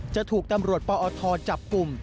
จะถูกตำรวจปอทจับกลุ่ม